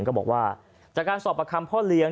ก็บอกว่าจากการสอบประคำพ่อเลี้ยง